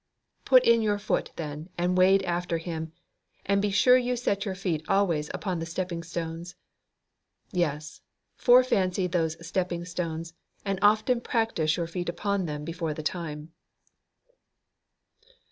Put in your foot, then, and wade after Him. And be sure you set your feet always upon the stepping stones." Yes; fore fancy those stepping stones, and often practise your feet upon them before the time.